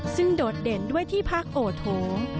ซึ่งโดดเด่นด้วยที่พักโอโถง